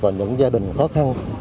và những gia đình khó khăn